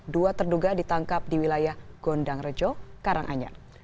dua terduga ditangkap di wilayah gondang rejo karanganyar